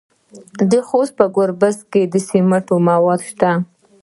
د خوست په ګربز کې د سمنټو مواد شته.